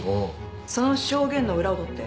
その証言の裏を取って。